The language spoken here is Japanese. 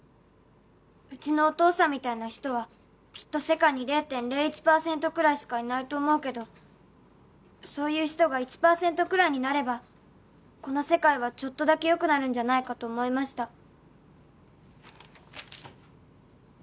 「うちのお父さんみたいな人はきっと世界に０．０１パーセントくらいしかいないと思うけどそういう人が１パーセントくらいになればこの世界はちょっとだけ良くなるんじゃないかと思いました」